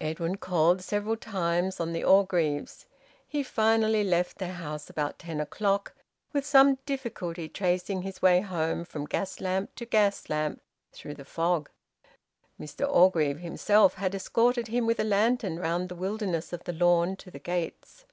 Edwin called several times on the Orgreaves. He finally left their house about ten o'clock, with some difficulty tracing his way home from gas lamp to gas lamp through the fog. Mr Orgreave himself had escorted him with a lantern round the wilderness of the lawn to the gates.